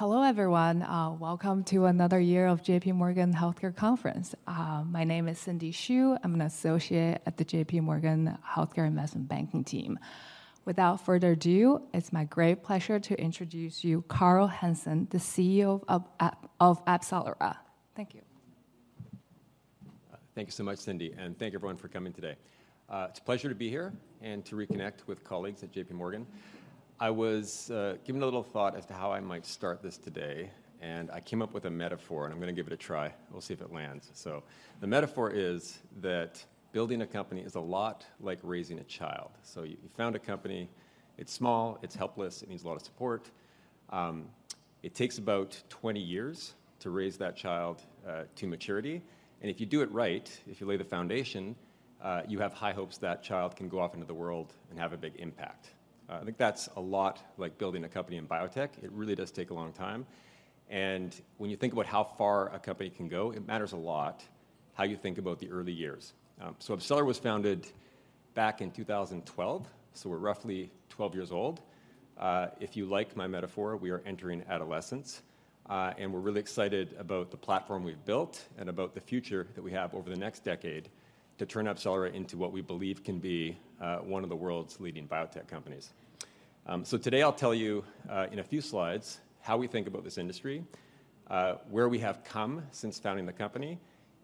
All right, hello everyone. Welcome to another year of JPMorgan Healthcare Conference. My name is Cindy Xu. I'm an associate at the JPMorgan Healthcare Investment Banking team. Without further ado, it's my great pleasure to introduce you, Carl Hansen, the CEO of AbCellera. Thank you. Thank you so much, Cindy, and thank everyone for coming today. It's a pleasure to be here and to reconnect with colleagues at JPMorgan. I was giving a little thought as to how I might start this today, and I came up with a metaphor, and I'm gonna give it a try. We'll see if it lands. So the metaphor is that building a company is a lot like raising a child. So you, you found a company, it's small, it's helpless, it needs a lot of support. It takes about 20 years to raise that child to maturity, and if you do it right, if you lay the foundation, you have high hopes that child can go off into the world and have a big impact. I think that's a lot like building a company in biotech. It really does take a long time, and when you think about how far a company can go, it matters a lot how you think about the early years. So AbCellera was founded back in 2012, so we're roughly 12 years old. If you like my metaphor, we are entering adolescence, and we're really excited about the platform we've built and about the future that we have over the next decade to turn AbCellera into what we believe can be, one of the world's leading biotech companies. So today I'll tell you, in a few slides, how we think about this industry, where we have come since founding the company,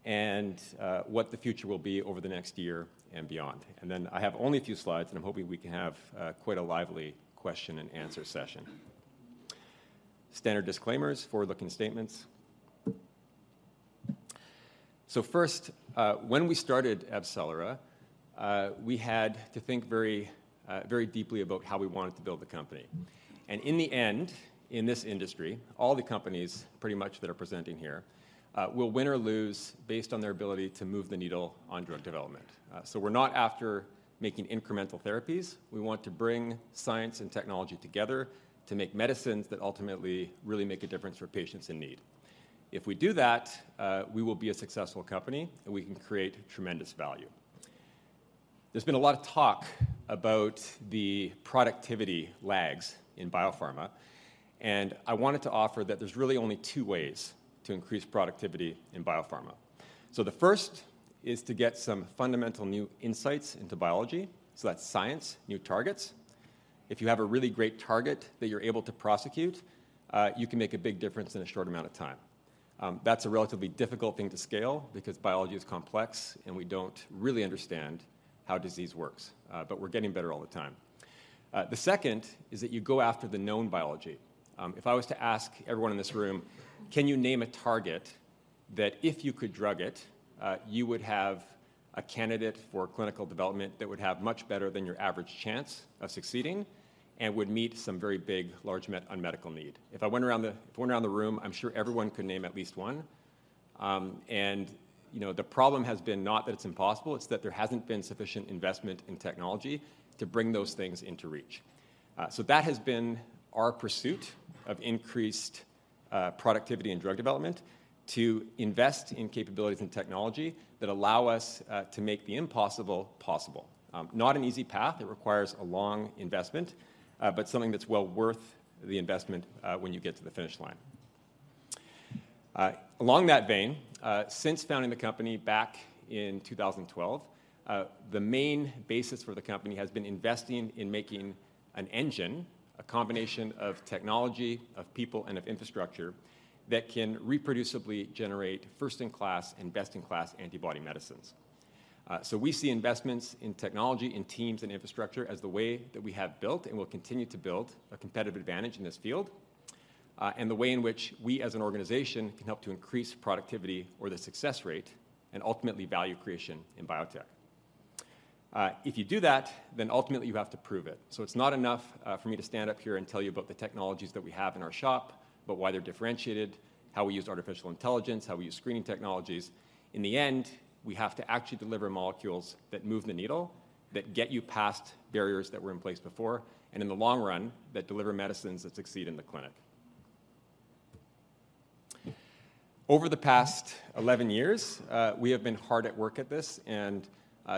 and, what the future will be over the next year and beyond. Then I have only a few slides, and I'm hoping we can have quite a lively question and answer session. Standard disclaimers, forward-looking statements. First, when we started AbCellera, we had to think very, very deeply about how we wanted to build the company. In the end, in this industry, all the companies, pretty much, that are presenting here, will win or lose based on their ability to move the needle on drug development. We're not after making incremental therapies. We want to bring science and technology together to make medicines that ultimately really make a difference for patients in need. If we do that, we will be a successful company, and we can create tremendous value. There's been a lot of talk about the productivity lags in biopharma, and I wanted to offer that there's really only two ways to increase productivity in biopharma. The first is to get some fundamental new insights into biology, so that's science, new targets. If you have a really great target that you're able to prosecute, you can make a big difference in a short amount of time. That's a relatively difficult thing to scale because biology is complex, and we don't really understand how disease works, but we're getting better all the time. The second is that you go after the known biology. If I was to ask everyone in this room, can you name a target that if you could drug it, you would have a candidate for clinical development that would have much better than your average chance of succeeding and would meet some very big, large medical need? If I went around the room, I'm sure everyone could name at least one. And, you know, the problem has been not that it's impossible, it's that there hasn't been sufficient investment in technology to bring those things into reach. So that has been our pursuit of increased productivity in drug development, to invest in capabilities and technology that allow us to make the impossible possible. Not an easy path. It requires a long investment, but something that's well worth the investment, when you get to the finish line. Along that vein, since founding the company back in 2012, the main basis for the company has been investing in making an engine, a combination of technology, of people, and of infrastructure, that can reproducibly generate first-in-class and best-in-class antibody medicines. So we see investments in technology, in teams, and infrastructure as the way that we have built and will continue to build a competitive advantage in this field, and the way in which we, as an organization, can help to increase productivity or the success rate and ultimately value creation in biotech. If you do that, then ultimately you have to prove it. So it's not enough for me to stand up here and tell you about the technologies that we have in our shop, about why they're differentiated, how we use artificial intelligence, how we use screening technologies. In the end, we have to actually deliver molecules that move the needle, that get you past barriers that were in place before, and in the long run, that deliver medicines that succeed in the clinic. Over the past 11 years, we have been hard at work at this, and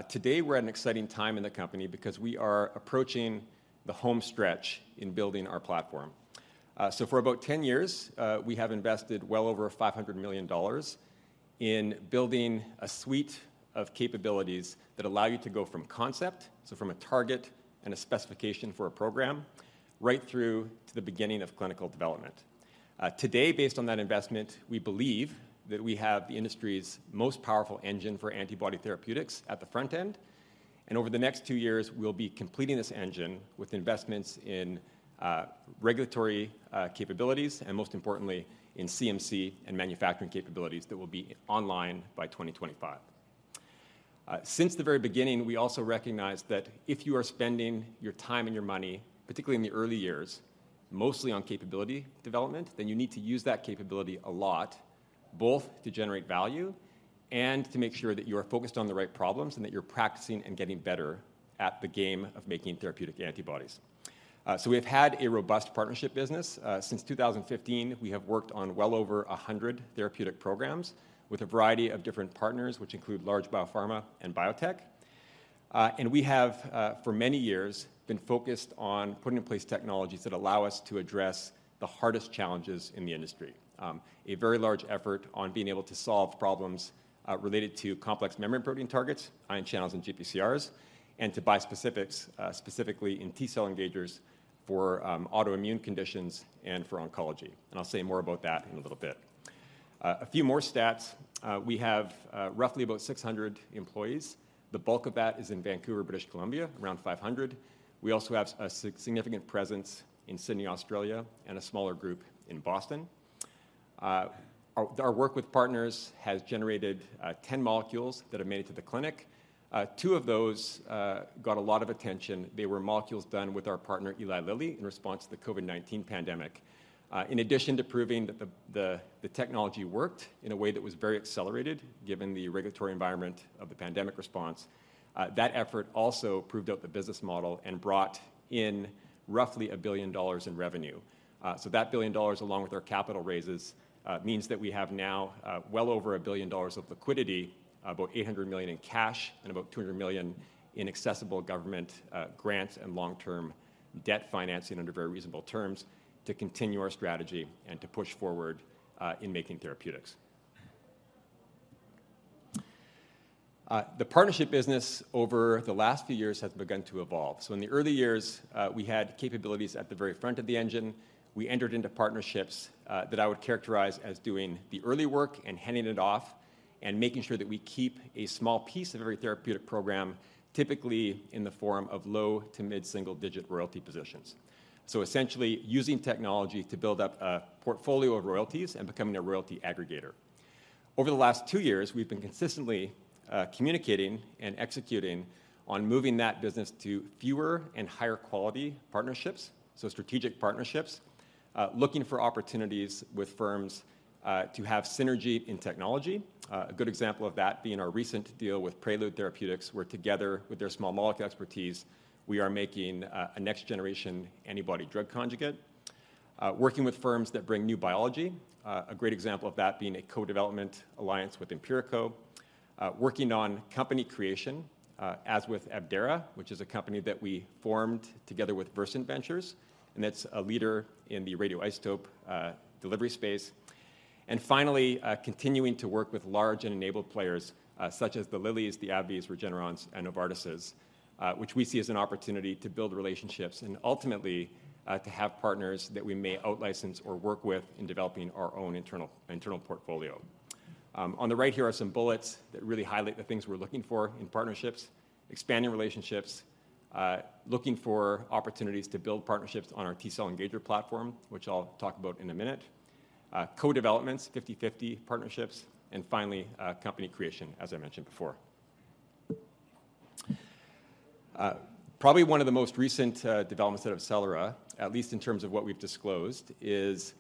today we're at an exciting time in the company because we are approaching the home stretch in building our platform. So for about 10 years, we have invested well over $500 million in building a suite of capabilities that allow you to go from concept, so from a target and a specification for a program, right through to the beginning of clinical development. Today, based on that investment, we believe that we have the industry's most powerful engine for antibody therapeutics at the front end, and over the next two years, we'll be completing this engine with investments in regulatory capabilities, and most importantly, in CMC and manufacturing capabilities that will be online by 2025. Since the very beginning, we also recognized that if you are spending your time and your money, particularly in the early years, mostly on capability development, then you need to use that capability a lot, both to generate value and to make sure that you are focused on the right problems, and that you're practicing and getting better at the game of making therapeutic antibodies. So we have had a robust partnership business. Since 2015, we have worked on well over 100 therapeutic programs with a variety of different partners, which include large biopharma and biotech, and we have, for many years, been focused on putting in place technologies that allow us to address the hardest challenges in the industry. A very large effort on being able to solve problems related to complex membrane protein targets, ion channels, and GPCRs, and bispecifics specifically in T-cell engagers for autoimmune conditions and for oncology. I'll say more about that in a little bit. A few more stats. We have roughly about 600 employees. The bulk of that is in Vancouver, British Columbia, around 500. We also have a significant presence in Sydney, Australia, and a smaller group in Boston. Our work with partners has generated 10 molecules that have made it to the clinic. Two of those got a lot of attention. They were molecules done with our partner, Eli Lilly, in response to the COVID-19 pandemic. In addition to proving that the technology worked in a way that was very accelerated, given the regulatory environment of the pandemic response, that effort also proved out the business model and brought in roughly $1 billion in revenue. So that billion dollars, along with our capital raises, means that we have now well over $1 billion of liquidity, about $800 million in cash and about $200 million in accessible government grants and long-term debt financing under very reasonable terms to continue our strategy and to push forward in making therapeutics. The partnership business over the last few years has begun to evolve. So in the early years, we had capabilities at the very front of the engine. We entered into partnerships that I would characterize as doing the early work and handing it off and making sure that we keep a small piece of every therapeutic program, typically in the form of low to mid-single-digit royalty positions. So essentially, using technology to build up a portfolio of royalties and becoming a royalty aggregator. Over the last two years, we've been consistently communicating and executing on moving that business to fewer and higher quality partnerships, so strategic partnerships, looking for opportunities with firms to have synergy in technology. A good example of that being our recent deal with Prelude Therapeutics, where together with their small molecule expertise, we are making a next-generation antibody drug conjugate. Working with firms that bring new biology, a great example of that being a co-development alliance with Empirico. Working on company creation, as with Abdera, which is a company that we formed together with Versant Ventures, and that's a leader in the radioisotope delivery space. And finally, continuing to work with large and enabled players, such as the Eli Lillys, the AbbVies, Regenerons, and Novartises, which we see as an opportunity to build relationships and ultimately, to have partners that we may out-license or work with in developing our own internal, internal portfolio. On the right here are some bullets that really highlight the things we're looking for in partnerships, expanding relationships, looking for opportunities to build partnerships on our T-cell engager platform, which I'll talk about in a minute, co-developments, 50/50 partnerships, and finally, company creation, as I mentioned before. Probably one of the most recent developments out of AbCellera, at least in terms of what we've disclosed, is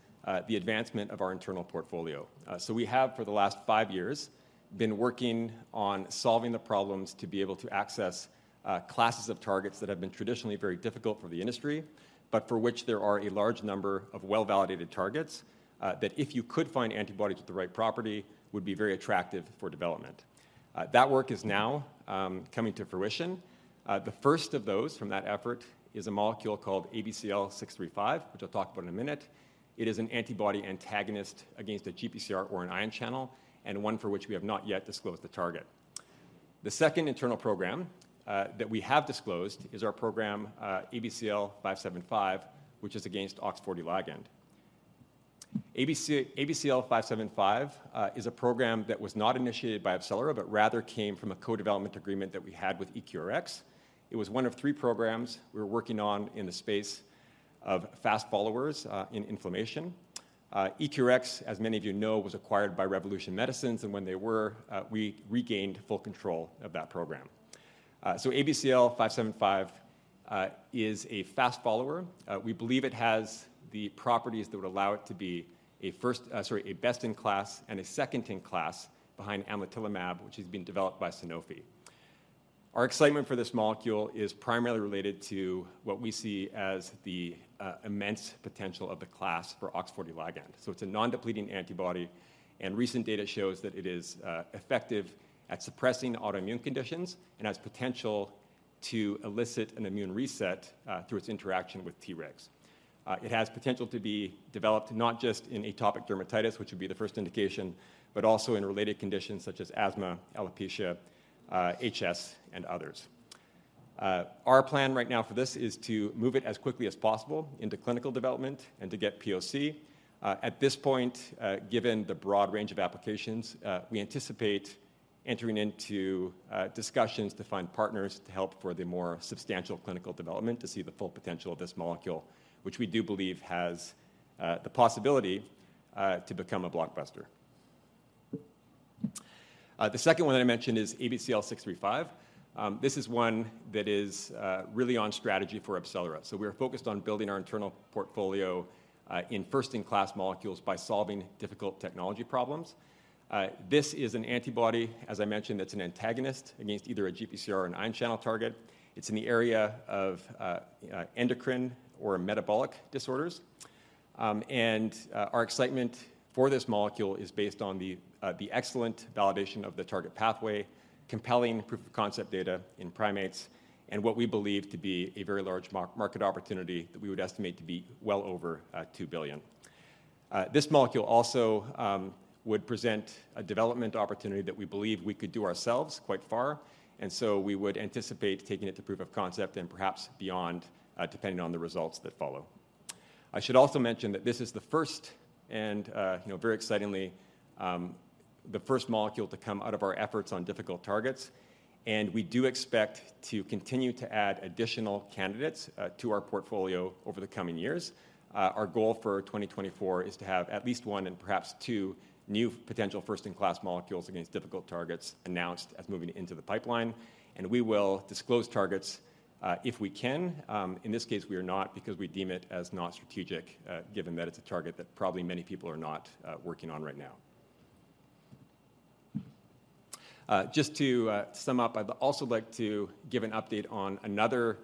the advancement of our internal portfolio. So we have, for the last five years, been working on solving the problems to be able to access classes of targets that have been traditionally very difficult for the industry, but for which there are a large number of well-validated targets that if you could find antibodies with the right property, would be very attractive for development. That work is now coming to fruition. The first of those from that effort is a molecule called ABCL635, which I'll talk about in a minute. It is an antibody antagonist against a GPCR or an ion channel, and one for which we have not yet disclosed the target. The second internal program, that we have disclosed is our program, ABCL575, which is against OX40 ligand. ABCL575 is a program that was not initiated by AbCellera, but rather came from a co-development agreement that we had with EQRx. It was one of three programs we were working on in the space of fast followers, in inflammation. EQRx, as many of you know, was acquired by Revolution Medicines, and when they were, we regained full control of that program. So ABCL575 is a fast follower. We believe it has the properties that would allow it to be a first—sorry, a best-in-class and a second-in-class behind amlitelimab, which is being developed by Sanofi. Our excitement for this molecule is primarily related to what we see as the immense potential of the class for OX40 ligand. So it's a non-depleting antibody, and recent data shows that it is effective at suppressing autoimmune conditions and has potential to elicit an immune reset through its interaction with T-regs. It has potential to be developed not just in atopic dermatitis, which would be the first indication, but also in related conditions such as asthma, alopecia, HS, and others. Our plan right now for this is to move it as quickly as possible into clinical development and to get POC. At this point, given the broad range of applications, we anticipate entering into discussions to find partners to help for the more substantial clinical development to see the full potential of this molecule, which we do believe has the possibility to become a blockbuster. The second one that I mentioned is ABCL635. This is one that is really on strategy for AbCellera. So we are focused on building our internal portfolio in first-in-class molecules by solving difficult technology problems. This is an antibody, as I mentioned, that's an antagonist against either a GPCR or an ion channel target. It's in the area of endocrine or metabolic disorders. And our excitement for this molecule is based on the excellent validation of the target pathway, compelling proof of concept data in primates, and what we believe to be a very large market opportunity that we would estimate to be well over $2 billion. This molecule also would present a development opportunity that we believe we could do ourselves quite far, and so we would anticipate taking it to proof of concept and perhaps beyond, depending on the results that follow. I should also mention that this is the first and, you know, very excitingly, the first molecule to come out of our efforts on difficult targets, and we do expect to continue to add additional candidates to our portfolio over the coming years. Our goal for 2024 is to have at least one and perhaps two new potential first-in-class molecules against difficult targets announced as moving into the pipeline, and we will disclose targets if we can. In this case, we are not, because we deem it as not strategic, given that it's a target that probably many people are not working on right now. Just to sum up, I'd also like to give an update on another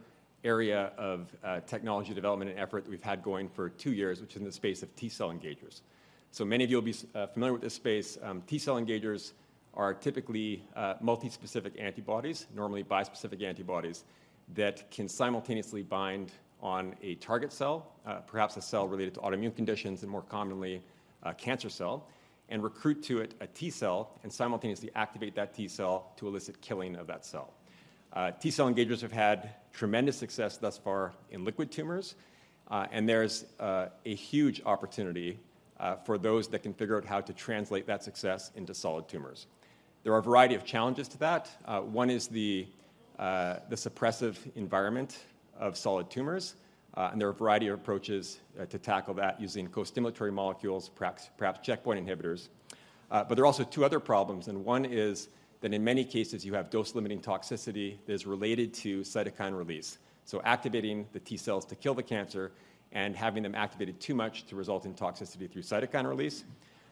area of technology development and effort that we've had going for two years, which is in the space of T cell engagers. So many of you will be familiar with this space. T cell engagers are typically multi-specific antibodies, normally bispecific antibodies, that can simultaneously bind on a target cell, perhaps a cell related to autoimmune conditions, and more commonly, a cancer cell, and recruit to it a T cell and simultaneously activate that T cell to elicit killing of that cell. T-cell engagers have had tremendous success thus far in liquid tumors, and there's a huge opportunity for those that can figure out how to translate that success into solid tumors. There are a variety of challenges to that. One is the suppressive environment of solid tumors, and there are a variety of approaches to tackle that using co-stimulatory molecules, perhaps, perhaps checkpoint inhibitors. But there are also two other problems, and one is that in many cases you have dose-limiting toxicity that is related to cytokine release. So activating the T cells to kill the cancer and having them activated too much to result in toxicity through cytokine release.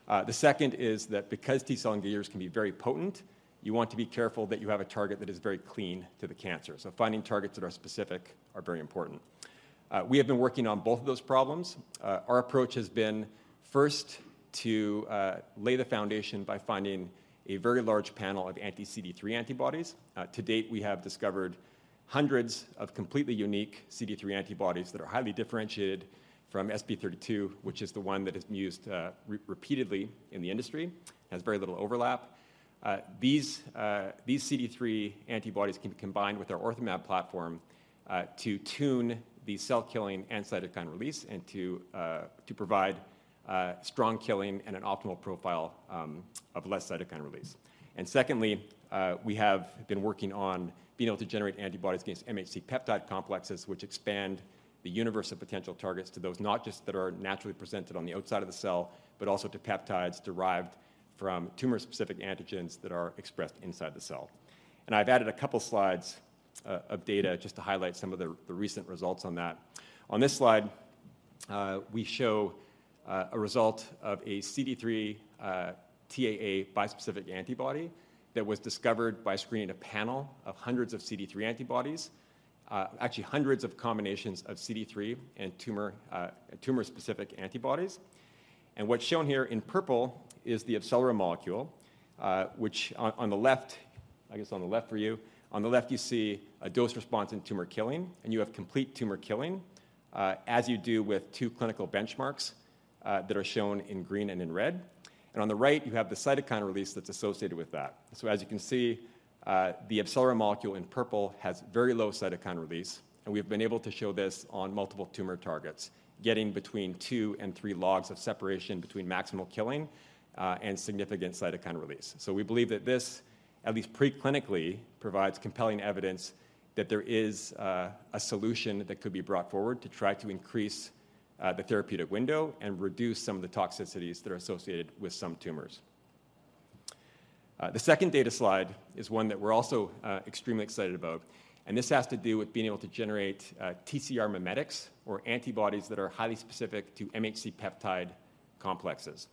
The second is that because T-cell engagers can be very potent, you want to be careful that you have a target that is very clean to the cancer. So finding targets that are specific are very important. We have been working on both of those problems. Our approach has been first to lay the foundation by finding a very large panel of anti-CD3 antibodies. To date, we have discovered hundreds of completely unique CD3 antibodies that are highly differentiated from SP32, which is the one that is used repeatedly in the industry, has very little overlap. These CD3 antibodies can be combined with our OrthoMab platform to tune the cell killing and cytokine release, and to provide strong killing and an optimal profile of less cytokine release. Secondly, we have been working on being able to generate antibodies against MHC peptide complexes, which expand the universe of potential targets to those not just that are naturally presented on the outside of the cell, but also to peptides derived from tumor-specific antigens that are expressed inside the cell. I've added a couple slides of data just to highlight some of the recent results on that. On this slide, we show a result of a CD3 TAA bispecific antibody that was discovered by screening a panel of hundreds of CD3 antibodies, actually hundreds of combinations of CD3 and tumor-specific antibodies. And what's shown here in purple is the AbCellera molecule, which on the left, I guess, you see a dose response in tumor killing, and you have complete tumor killing, as you do with two clinical benchmarks, that are shown in green and in red. And on the right, you have the cytokine release that's associated with that. So as you can see, the AbCellera molecule in purple has very low cytokine release, and we've been able to show this on multiple tumor targets, getting between two and three logs of separation between maximal killing, and significant cytokine release. So we believe that this, at least pre-clinically, provides compelling evidence that there is a solution that could be brought forward to try to increase the therapeutic window and reduce some of the toxicities that are associated with some tumors. The second data slide is one that we're also extremely excited about, and this has to do with being able to generate TCR mimetics or antibodies that are highly specific to MHC peptide complexes.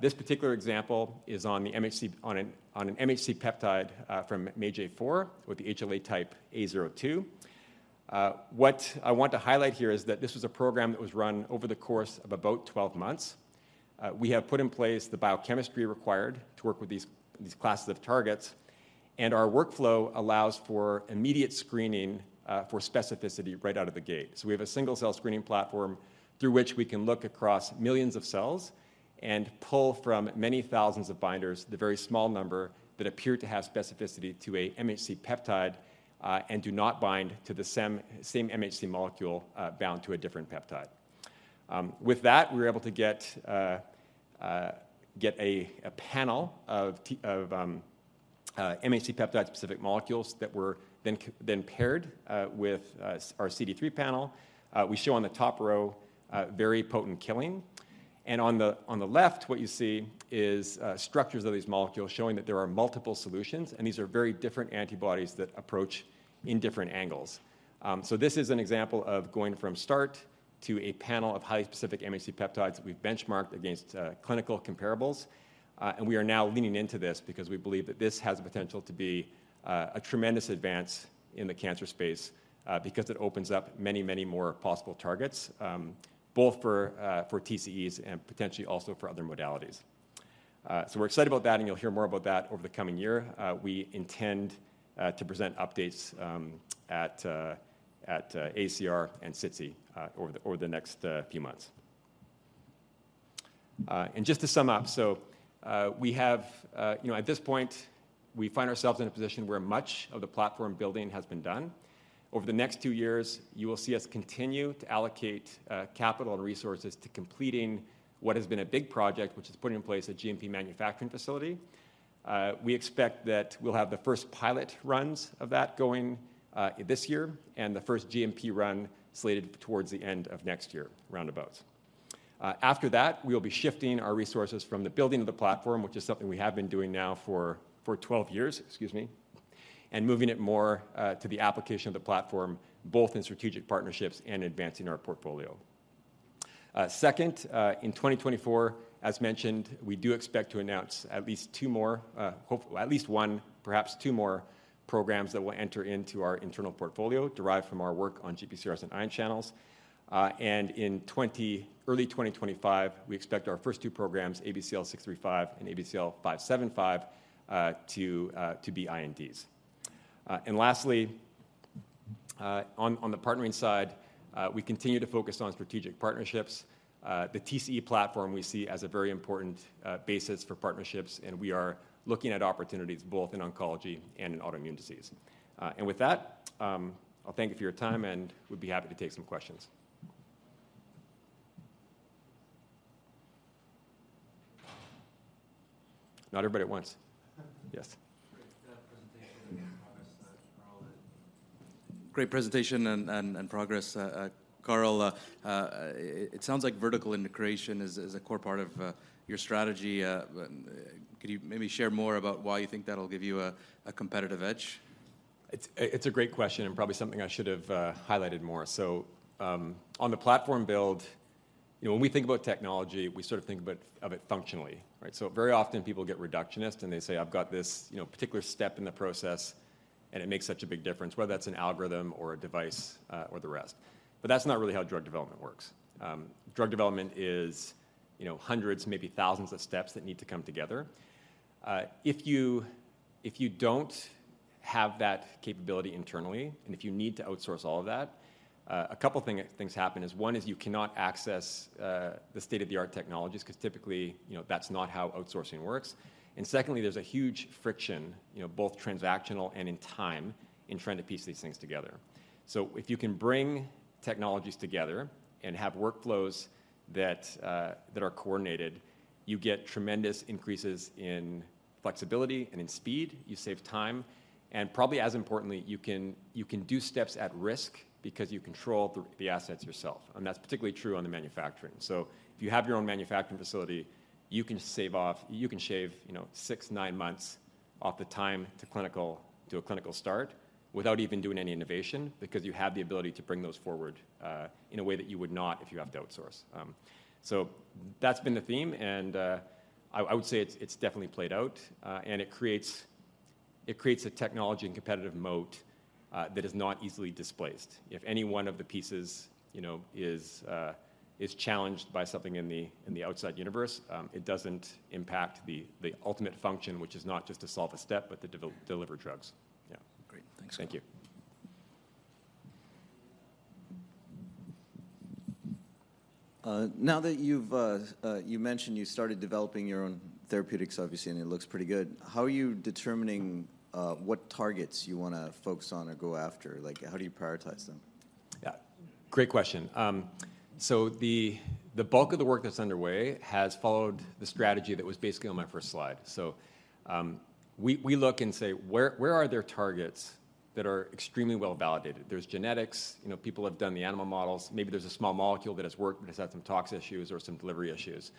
This particular example is on an MHC peptide from MAGE-A4 with the HLA-A02 type. What I want to highlight here is that this was a program that was run over the course of about 12 months. We have put in place the biochemistry required to work with these classes of targets, and our workflow allows for immediate screening for specificity right out of the gate. So we have a single-cell screening platform through which we can look across millions of cells and pull from many thousands of binders the very small number that appear to have specificity to a MHC peptide and do not bind to the same MHC molecule bound to a different peptide. With that, we were able to get a panel of MHC peptide-specific molecules that were then paired with our CD3 panel. We show on the top row very potent killing. On the left, what you see is structures of these molecules showing that there are multiple solutions, and these are very different antibodies that approach in different angles. So this is an example of going from start to a panel of highly specific MHC peptides we've benchmarked against clinical comparables. And we are now leaning into this because we believe that this has the potential to be a tremendous advance in the cancer space, because it opens up many, many more possible targets, both for TCEs and potentially also for other modalities. So we're excited about that, and you'll hear more about that over the coming year. We intend to present updates at ACR and SITC over the next few months. And just to sum up, so, we have, you know, at this point, we find ourselves in a position where much of the platform building has been done. Over the next two years, you will see us continue to allocate, capital and resources to completing what has been a big project, which is putting in place a GMP manufacturing facility. We expect that we'll have the first pilot runs of that going, this year, and the first GMP run slated towards the end of next year, round about. After that, we'll be shifting our resources from the building of the platform, which is something we have been doing now for 12 years, excuse me, and moving it more to the application of the platform, both in strategic partnerships and advancing our portfolio. Second, in 2024, as mentioned, we do expect to announce at least one, perhaps two more programs that will enter into our internal portfolio, derived from our work on GPCRs and ion channels. And in early 2025, we expect our first two programs, ABCL635 and ABCL575, to be INDs. And lastly, on the partnering side, we continue to focus on strategic partnerships. The TCE platform we see as a very important basis for partnerships, and we are looking at opportunities both in oncology and in autoimmune disease. And with that, I'll thank you for your time, and we'd be happy to take some questions. Not everybody at once. Yes. Great presentation and progress, Carl. It sounds like vertical integration is a core part of your strategy. But could you maybe share more about why you think that'll give you a competitive edge? It's a great question and probably something I should have highlighted more. So, on the platform build, you know, when we think about technology, we sort of think about it functionally, right? So very often people get reductionist, and they say, "I've got this, you know, particular step in the process, and it makes such a big difference," whether that's an algorithm or a device, or the rest. But that's not really how drug development works. Drug development is, you know, hundreds, maybe thousands of steps that need to come together. If you don't have that capability internally, and if you need to outsource all of that, a couple things happen is, one is you cannot access the state-of-the-art technologies, 'cause typically, you know, that's not how outsourcing works. Secondly, there's a huge friction, you know, both transactional and in time, in trying to piece these things together. So if you can bring technologies together and have workflows that, that are coordinated, you get tremendous increases in flexibility and in speed. You save time, and probably as importantly, you can, you can do steps at risk because you control the, the assets yourself, and that's particularly true on the manufacturing. So if you have your own manufacturing facility, you can shave, you know, 6, 9 months off the time to clinical, to a clinical start without even doing any innovation because you have the ability to bring those forward, in a way that you would not if you have to outsource. So that's been the theme, and I would say it's definitely played out, and it creates a technology and competitive moat that is not easily displaced. If any one of the pieces, you know, is challenged by something in the outside universe, it doesn't impact the ultimate function, which is not just to solve a step, but to deliver drugs. Yeah. Great. Thanks. Thank you. You mentioned you started developing your own therapeutics, obviously, and it looks pretty good, how are you determining what targets you wanna focus on or go after? Like, how do you prioritize them? Yeah. Great question. So the bulk of the work that's underway has followed the strategy that was basically on my first slide. So we look and say, "Where are there targets that are extremely well-validated?" There's genetics. You know, people have done the animal models. Maybe there's a small molecule that has worked, but it's had some tox issues or some delivery issues,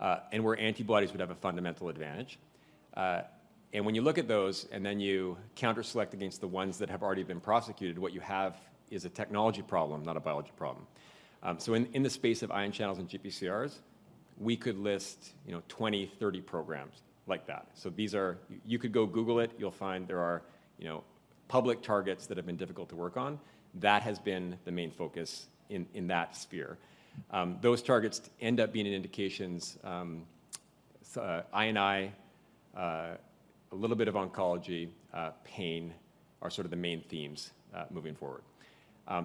and where antibodies would have a fundamental advantage. And when you look at those, and then you counter select against the ones that have already been prosecuted, what you have is a technology problem, not a biology problem. So in the space of ion channels and GPCRs, we could list, you know, 20, 30 programs like that. So these are... You could go Google it. You'll find there are, you know, public targets that have been difficult to work on. That has been the main focus in, in that sphere. Those targets end up being in indications, I&I, a little bit of oncology, pain, are sort of the main themes, moving forward.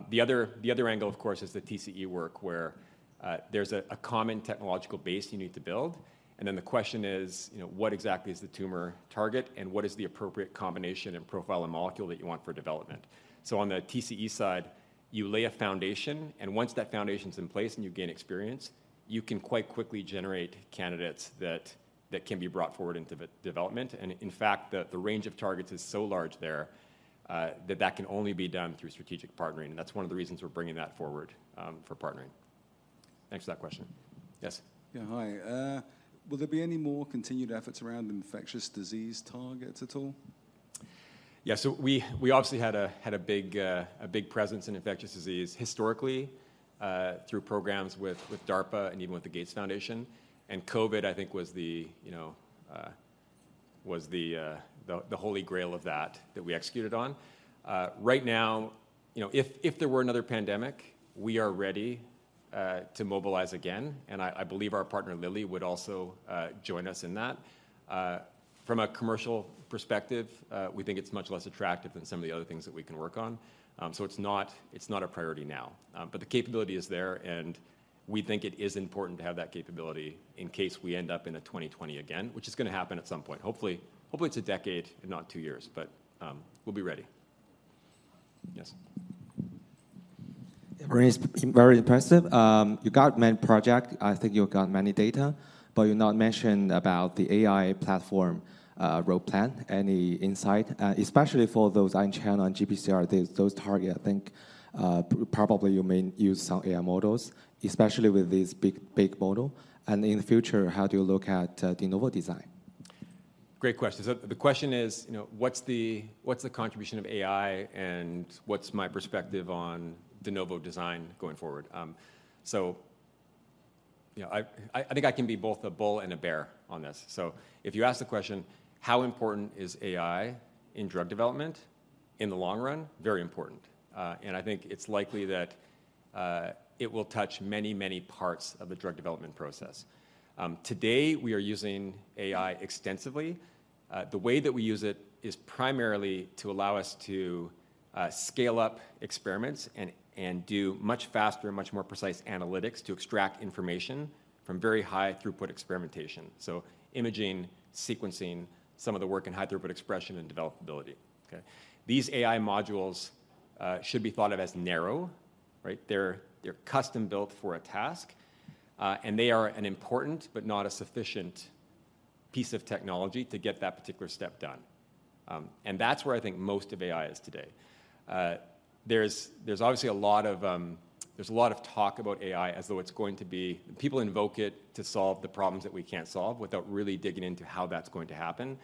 The other, the other angle, of course, is the TCE work, where, there's a, a common technological base you need to build, and then the question is, you know, what exactly is the tumor target, and what is the appropriate combination and profile and molecule that you want for development? So on the TCE side, you lay a foundation, and once that foundation's in place, and you gain experience, you can quite quickly generate candidates that, that can be brought forward into development. In fact, the range of targets is so large there that that can only be done through strategic partnering, and that's one of the reasons we're bringing that forward for partnering. Thanks for that question. Yes. Yeah, hi. Will there be any more continued efforts around infectious disease targets at all? Yeah. So we obviously had a big presence in infectious disease historically through programs with DARPA and even with the Gates Foundation. And Covid, I think, was the, you know, was the holy grail of that that we executed on. Right now, you know, if there were another pandemic, we are ready to mobilize again, and I believe our partner, Lilly, would also join us in that. From a commercial perspective, we think it's much less attractive than some of the other things that we can work on. So it's not a priority now, but the capability is there, and we think it is important to have that capability in case we end up in a twenty twenty again, which is gonna happen at some point. Hopefully, hopefully, it's a decade and not two years, but we'll be ready. Yes? Very impressive. You got many project. I think you've got many data, but you not mentioned about the AI platform, road plan. Any insight? Especially for those ion channel on GPCR, those, those target, I think, probably you may use some AI models, especially with this big, big model. And in the future, how do you look at de novo design? Great question. So the question is, you know, what's the, what's the contribution of AI, and what's my perspective on de novo design going forward? So, you know, I, I think I can be both a bull and a bear on this. So if you ask the question: how important is AI in drug development in the long run? Very important. And I think it's likely that, it will touch many, many parts of the drug development process. Today, we are using AI extensively. The way that we use it is primarily to allow us to, scale up experiments and do much faster and much more precise analytics to extract information from very high-throughput experimentation, so imaging, sequencing, some of the work in high-throughput expression, and developability, okay? These AI modules should be thought of as narrow, right? They're custom-built for a task, and they are an important, but not a sufficient, piece of technology to get that particular step done. And that's where I think most of AI is today. There's obviously a lot of talk about AI as though it's going to be... People invoke it to solve the problems that we can't solve without really digging into how that's going to happen,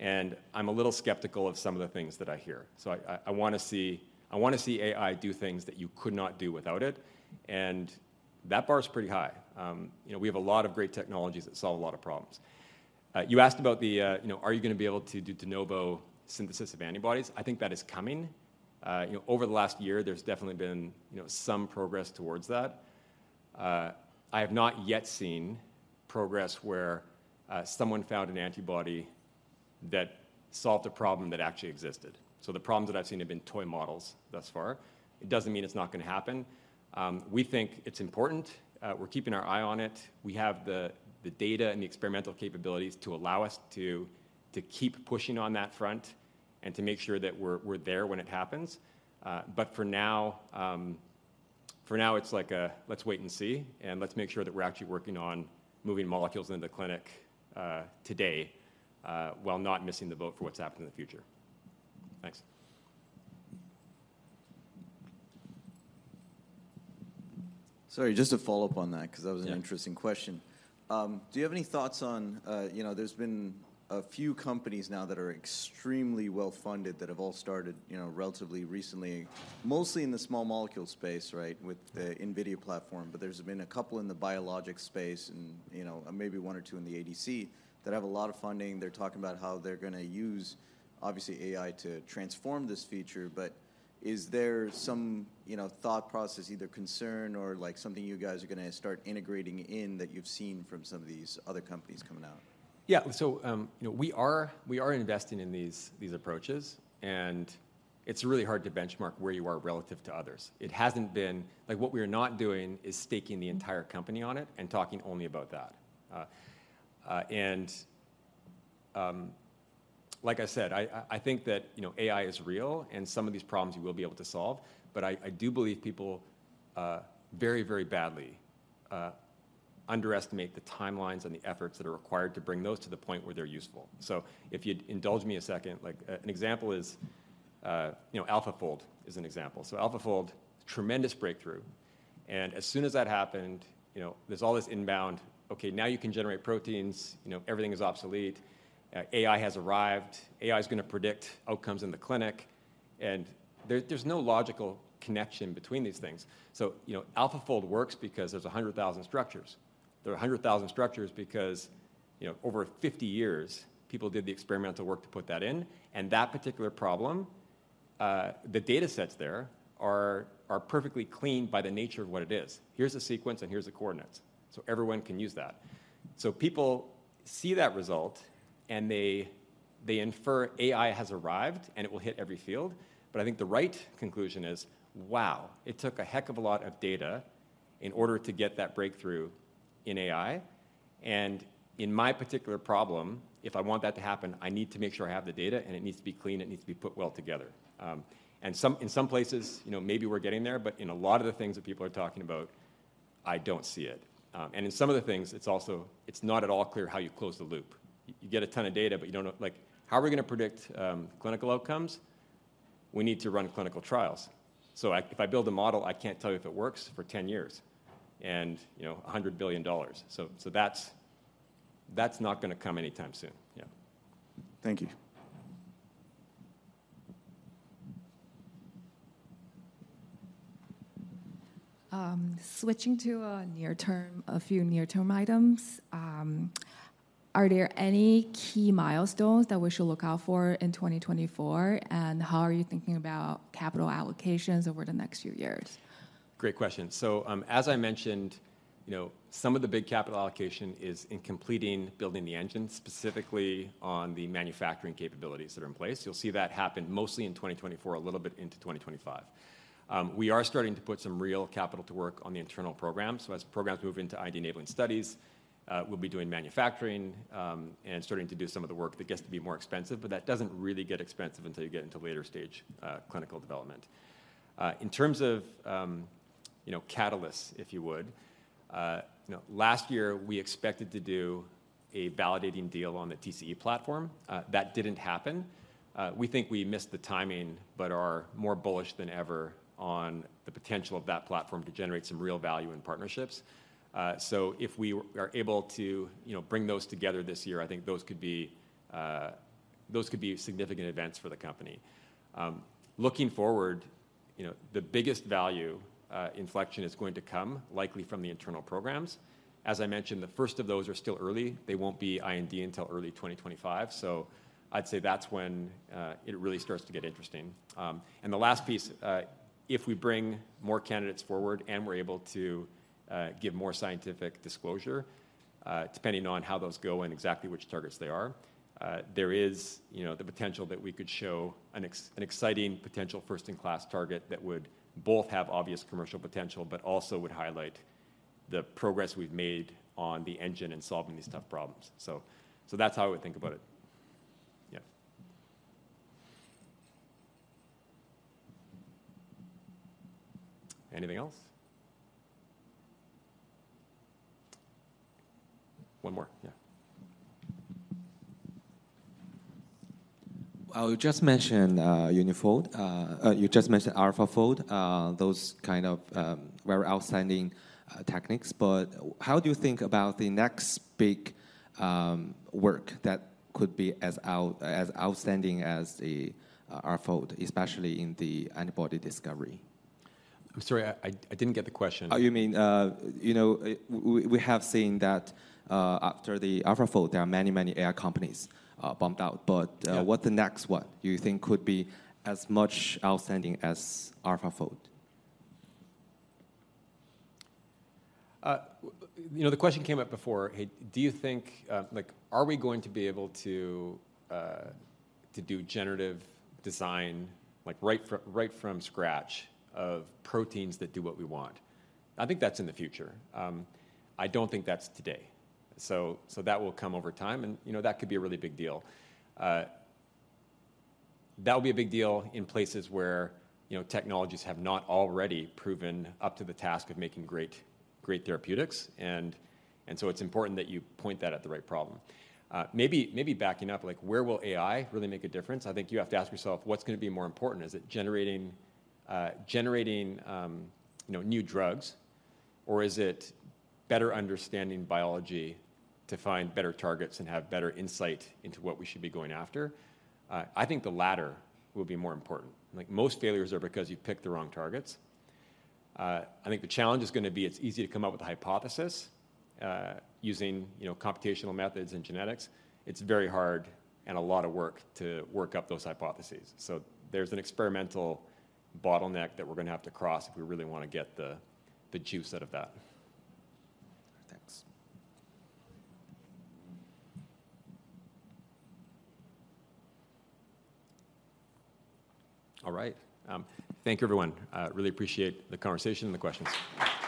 and I'm a little skeptical of some of the things that I hear. So I wanna see - I wanna see AI do things that you could not do without it, and that bar is pretty high. You know, we have a lot of great technologies that solve a lot of problems. You asked about the, you know, are you gonna be able to do de novo synthesis of antibodies? I think that is coming. You know, over the last year, there's definitely been, you know, some progress towards that. I have not yet seen progress where, someone found an antibody that solved a problem that actually existed. So the problems that I've seen have been toy models thus far. It doesn't mean it's not gonna happen. We think it's important. We're keeping our eye on it. We have the data and the experimental capabilities to allow us to keep pushing on that front and to make sure that we're there when it happens. But for now, for now, it's like a let's wait and see, and let's make sure that we're actually working on moving molecules into the clinic today while not missing the boat for what's happening in the future. Thanks. Sorry, just to follow up on that, 'cause that was- Yeah. An interesting question. Do you have any thoughts on... You know, there's been a few companies now that are extremely well-funded that have all started, you know, relatively recently, mostly in the small molecule space, right? With the NVIDIA platform. But there's been a couple in the biologic space and, you know, maybe one or two in the ADC, that have a lot of funding. They're talking about how they're gonna use, obviously, AI to transform this feature. But is there some, you know, thought process, either concern or, like, something you guys are gonna start integrating in that you've seen from some of these other companies coming out? Yeah. So, you know, we are investing in these approaches, and it's really hard to benchmark where you are relative to others. It hasn't been... Like, what we are not doing is staking the entire company on it and talking only about that. And, like I said, I think that, you know, AI is real, and some of these problems you will be able to solve. But I do believe people very, very badly underestimate the timelines and the efforts that are required to bring those to the point where they're useful. So if you'd indulge me a second, like, an example is, you know, AlphaFold is an example. So AlphaFold, tremendous breakthrough, and as soon as that happened, you know, there's all this inbound: "Okay, now you can generate proteins. You know, everything is obsolete. AI has arrived. AI is gonna predict outcomes in the clinic." And there, there's no logical connection between these things. So, you know, AlphaFold works because there's 100,000 structures. There are 100,000 structures because, you know, over 50 years, people did the experimental work to put that in, and that particular problem, the data sets there are, are perfectly clean by the nature of what it is. Here's the sequence, and here's the coordinates. So everyone can use that. So people see that result, and they, they infer AI has arrived, and it will hit every field. But I think the right conclusion is, wow, it took a heck of a lot of data in order to get that breakthrough in AI. In my particular problem, if I want that to happen, I need to make sure I have the data, and it needs to be clean, it needs to be put well together. In some places, you know, maybe we're getting there, but in a lot of the things that people are talking about, I don't see it. And in some of the things, it's also, it's not at all clear how you close the loop. You get a ton of data, but you don't know... Like, how are we gonna predict, clinical outcomes? We need to run clinical trials. So if I build a model, I can't tell you if it works for 10 years, and, you know, $100 billion. So that's not gonna come anytime soon. Yeah. Thank you.... Switching to a near-term, a few near-term items, are there any key milestones that we should look out for in 2024? And how are you thinking about capital allocations over the next few years? Great question. So, as I mentioned, you know, some of the big capital allocation is in completing building the engine, specifically on the manufacturing capabilities that are in place. You'll see that happen mostly in 2024, a little bit into 2025. We are starting to put some real capital to work on the internal program. So as programs move into IND-enabling studies, we'll be doing manufacturing, and starting to do some of the work that gets to be more expensive, but that doesn't really get expensive until you get into later stage clinical development. In terms of, you know, catalysts, if you would, you know, last year, we expected to do a validating deal on the TCE platform. That didn't happen. We think we missed the timing but are more bullish than ever on the potential of that platform to generate some real value in partnerships. So if we are able to, you know, bring those together this year, I think those could be those could be significant events for the company. Looking forward, you know, the biggest value inflection is going to come likely from the internal programs. As I mentioned, the first of those are still early. They won't be IND until early 2025, so I'd say that's when it really starts to get interesting. And the last piece, if we bring more candidates forward and we're able to give more scientific disclosure, depending on how those go and exactly which targets they are, there is, you know, the potential that we could show an exciting potential first-in-class target that would both have obvious commercial potential, but also would highlight the progress we've made on the engine in solving these tough problems. So that's how I would think about it. Yeah. Anything else? One more, yeah. Well, you just mentioned Uni-Fold. You just mentioned AlphaFold, those kind of very outstanding techniques. But how do you think about the next big work that could be as outstanding as the AlphaFold, especially in the antibody discovery? I'm sorry, I didn't get the question. Oh, you mean, you know, we have seen that after the AlphaFold, there are many, many AI companies bumped out. Yeah. But, what the next one you think could be as much outstanding as AlphaFold? You know, the question came up before, "Hey, do you think, Like, are we going to be able to, to do generative design, like, right from scratch of proteins that do what we want?" I think that's in the future. I don't think that's today. So, that will come over time, and, you know, that could be a really big deal. That'll be a big deal in places where, you know, technologies have not already proven up to the task of making great therapeutics, and, so it's important that you point that at the right problem. Maybe backing up, like, where will AI really make a difference? I think you have to ask yourself: What's gonna be more important? Is it generating, you know, new drugs, or is it better understanding biology to find better targets and have better insight into what we should be going after? I think the latter will be more important. Like, most failures are because you picked the wrong targets. I think the challenge is gonna be it's easy to come up with a hypothesis, using, you know, computational methods and genetics. It's very hard and a lot of work to work up those hypotheses. So there's an experimental bottleneck that we're gonna have to cross if we really wanna get the juice out of that. Thanks. All right. Thank you, everyone. I really appreciate the conversation and the questions.